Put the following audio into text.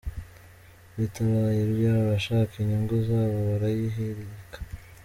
Bitabaye ibyo abashaka inyungu zabo barayihirika.